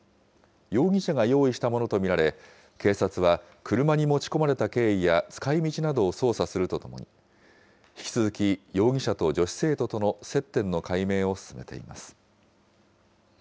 容疑者が用意したものと見られ、警察は車に持ち込まれた経緯や使いみちなどを捜査するとともに、引き続き容疑者と女子生徒との接点の解明を進めています。